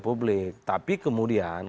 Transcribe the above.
publik tapi kemudian